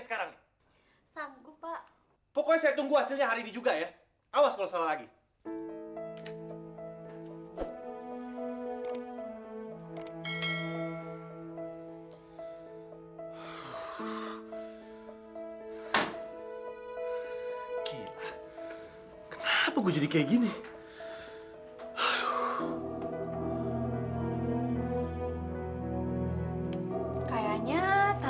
sampai jumpa di video selanjutnya